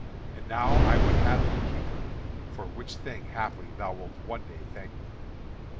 And now I would have thee keep her, for which thing, haply, thou wilt one day thank me."